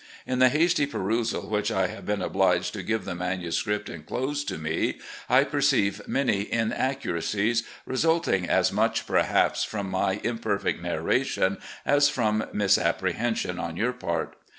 In the hasty perusal which I have been obhged to give the manuscript inclosed to me, I perceive many inaccuracies, resulting as much, perhaps, from my imperfect narration as from 230 RECOLLECTIONS OF GENERAL LEE misapprehension on your part.